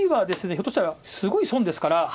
ひょっとしたらすごい損ですから。